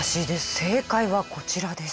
正解はこちらです。